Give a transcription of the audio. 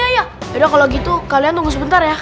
yaudah kalo gitu kalian tunggu sebentar ya